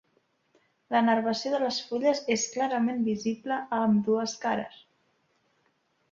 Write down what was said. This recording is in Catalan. La nervació de les fulles és clarament visible a ambdues cares.